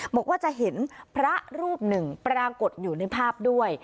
บอกว่าจะเห็นพระรูปหนึ่งปรากฏอยู่ในภาพด้วย